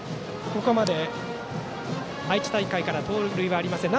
ここまで愛知大会から盗塁はありません。